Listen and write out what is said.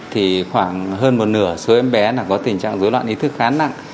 thì khoảng hơn một nửa số em bé có tình trạng dối loạn ý thức khá nặng